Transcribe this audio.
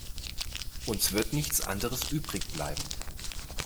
Uns wird nichts anderes übrig bleiben.